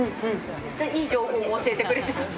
めっちゃいい情報教えてくれてる。